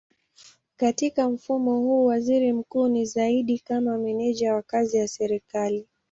Katika mfumo huu waziri mkuu ni zaidi kama meneja wa kazi ya serikali.